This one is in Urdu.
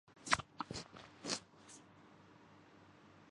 پی S L draft Smith de Villiers Afridi منتخب